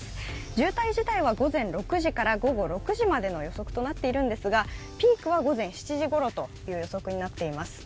渋滞自体は午前６時から午後６時までの予測となっていますが、ピークは午前７時ごろという予測になっています。